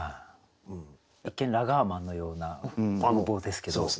一見ラガーマンのような顔貌ですけど。